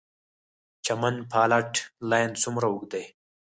چمن فالټ لاین څومره اوږد دی؟